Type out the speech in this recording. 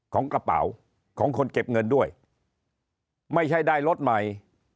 ของกระเป๋าของคนเก็บเงินด้วยไม่ใช่ได้รถใหม่